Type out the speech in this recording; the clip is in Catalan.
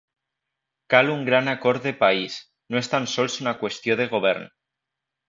Cal un gran acord de país, no és tan sols una qüestió de govern.